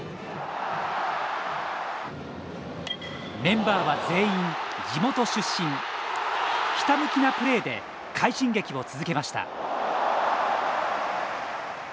メンバーは全員地元出身ひたむきなプレーで快進撃を続けました。